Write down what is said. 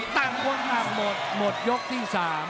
ต่างคนต่างหมดหมดยกที่๓